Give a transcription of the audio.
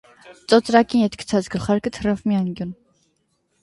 Ծոծրակին ետ գցած գլխարկը թռավ մի անկյուն: